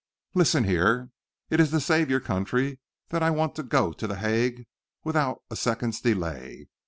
Listen here. It's to save your country that I want to get to The Hague without a second's delay.